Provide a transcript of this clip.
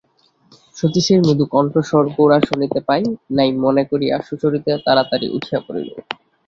সতীশের মৃদু কণ্ঠস্বর গোরা শুনিতে পায় নাই মনে করিয়া সুচরিতা তাড়াতাড়ি উঠিয়া পড়িল।